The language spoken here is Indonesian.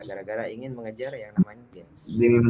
gara gara ingin mengejar yang namanya games